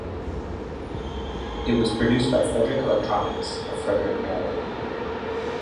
It was produced by Frederick Electronics, of Frederick, Maryland.